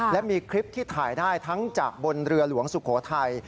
และมีคลิปที่ถ่ายได้ทั้งจากบนเรือหลวงสุโขทัย